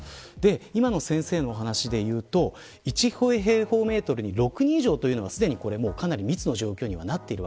今のお話で言うと１平方メートルに６人以上というのはかなり密な状況です。